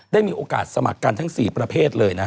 ได้มีโอกาสสมัครกันทั้ง๔ประเภทเลยนะ